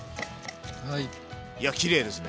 いやきれいですね！